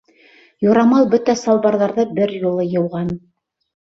Юрамал бөтә салбарҙарҙы бер юлы йыуған!